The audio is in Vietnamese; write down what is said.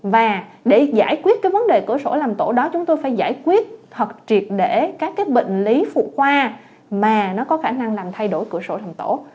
và để giải quyết cái vấn đề cửa sổ làm tổ đó chúng tôi phải giải quyết thật triệt để các bệnh lý phụ khoa mà nó có khả năng làm thay đổi cửa sổ thành tổ